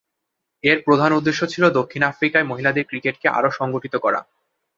এর প্রধান উদ্দেশ্য ছিল দক্ষিণ আফ্রিকায় মহিলাদের ক্রিকেটকে আরও সংগঠিত করা।